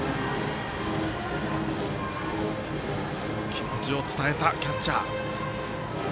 気持ちを伝えたキャッチャー。